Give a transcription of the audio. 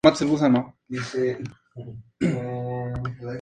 Los materiales en estos son semiconductores con lagunas de banda estrecha.